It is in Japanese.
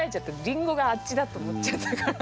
りんごがあっちだと思っちゃったから。